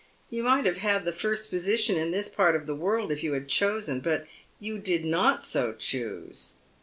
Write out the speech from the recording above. You might have had the first position in this part of the world if you had chosen, but you did not so choose.